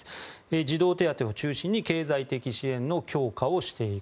児童手当を中心に経済的支援の強化をしていく。